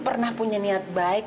pernah punya niat baik